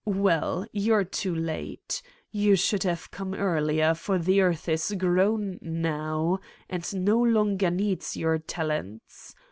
Well, you're too late. You should have come earlier, for the earth is grown now and no longer needs your talents.